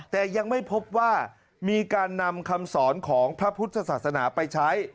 แต่ยังไม่พบว่ามีการนำคำสอนของพระพุทธศาสนาไปใช้